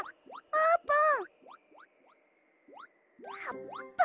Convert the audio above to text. あーぷん！